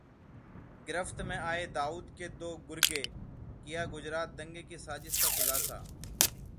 गिरफ्त में आए दाऊद के दो गुर्गे, किया गुजरात दंगे की साजिश का खुलासा